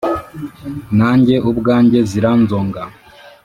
nange ubwange ziranzonga